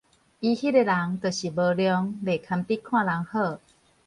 伊彼个人就是無量，袂堪得看人好